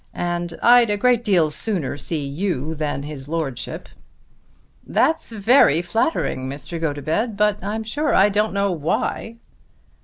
And I'd a great deal sooner see you than his lordship." "That's very flattering, Mr. Gotobed, but I'm sure I don't know why."